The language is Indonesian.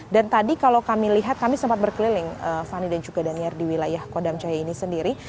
tadi kalau kami lihat kami sempat berkeliling fani dan juga daniar di wilayah kodam jaya ini sendiri